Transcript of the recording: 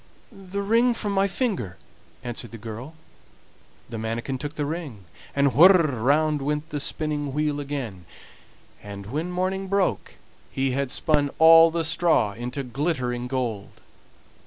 "The ring from my finger," answered the girl. The manikin took the ring, and whir! round went the spinning wheel again, and when morning broke he had spun all the straw into glittering gold.